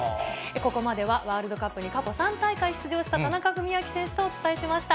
ここまではワールドカップに過去３大会出場した田中史朗選手とお伝えしました。